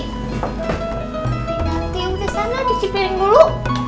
nanti yang kesana disipiring dulu